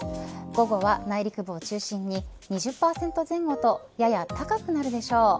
午後は内陸部を中心に２０％前後とやや高くなるでしょう。